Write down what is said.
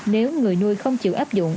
nếu người nuôi không chịu áp dụng